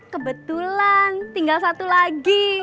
kebetulan tinggal satu lagi